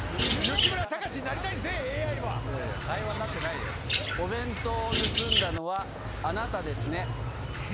吉村崇になりたいんですよ、いやいや、会話になってないお弁当を盗んだのは、あなたですね？